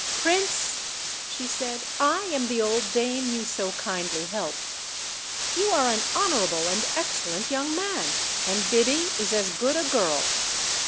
"Prince," she said, "I am the old dame you so kindly helped. You are an honorable and excellent young man, and Biby is as good a girl.